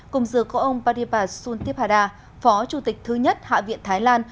cùng giữa có ông padipa sundipada phó chủ tịch thứ nhất hạ viện thái lan